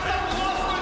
すごい！